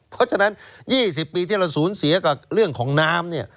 เพราะฉะนั้น๒๐ปีที่เราสูญเสียกับเรื่องของน้ำเนี่ย